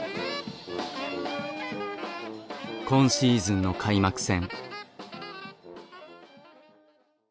今シーズンの開幕戦。